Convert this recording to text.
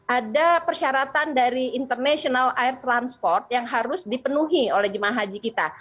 ada persyaratan dari international air transport yang harus dipenuhi oleh jemaah haji kita